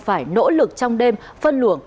phải nỗ lực trong đêm phân luồng